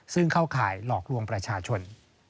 ซึ่งเข้าข่ายหลอกลวงประชาชน